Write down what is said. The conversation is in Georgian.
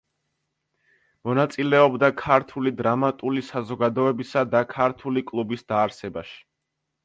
მონაწილეობდა ქართული დრამატული საზოგადოებისა და ქართული კლუბის დაარსებაში.